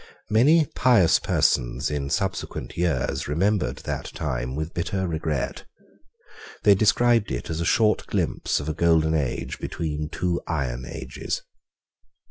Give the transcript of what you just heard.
Many pious persons in subsequent years remembered that time with bitter regret. They described it as a short glimpse of a golden age between two iron ages.